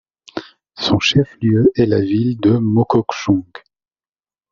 Son chef-lieu est la ville de Mokokchung.